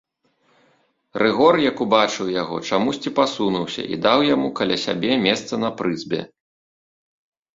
Рыгор, як убачыў яго, чамусьці пасунуўся і даў яму каля сябе месца на прызбе.